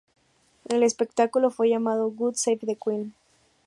El espectáculo fue llamado "God Save The Queen!